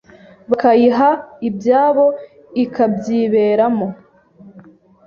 bakayiha ibyabo ikabyiberamo